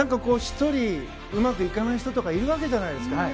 １人うまくいかない人とかいるわけじゃないですか。